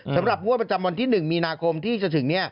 งวดประจำวันที่๑มีนาคมที่จะถึง